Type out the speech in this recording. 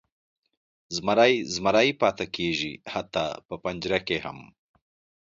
زمری زمری پاتې کیږي، حتی په پنجره کې هم.